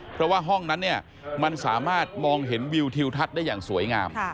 เพราะว่าห้องนั้นเนี่ยมันสามารถมองเห็นวิวทิวทัศน์ได้อย่างสวยงาม